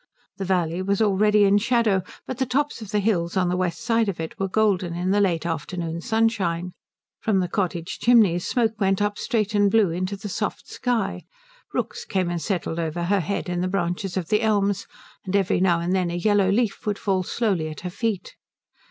The valley was already in shadow, but the tops of the hills on the west side of it were golden in the late afternoon sunshine. From the cottage chimneys smoke went up straight and blue into the soft sky, rooks came and settled over her head in the branches of the elms, and every now and then a yellow leaf would fall slowly at her feet.